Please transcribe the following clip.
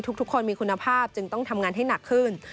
ทุกคนมีคุณภาพจึงต้องทำงานให้หนักขึ้น